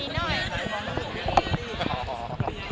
สวยให้หมด